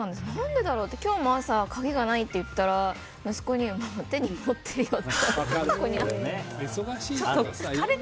今日も朝鍵がないって言ったら息子に、手に持ってるよママって。